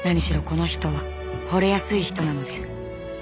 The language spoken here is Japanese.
この人はほれやすい人なのです。